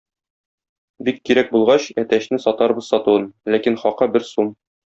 Бик кирәк булгач, әтәчне сатарбыз сатуын, ләкин хакы бер сум.